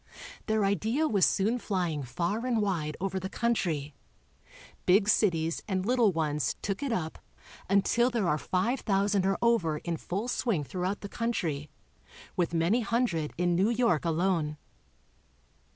Their idea was soon fly ing far and wide over the country. Big cities and little ones took it up until there are five thousand or over in full swing throughout the country, with many hundred in New York alone.